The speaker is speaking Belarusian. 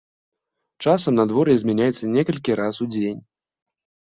Часам надвор'е змяняецца некалькі раз у дзень.